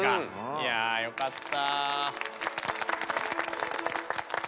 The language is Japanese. いやよかった。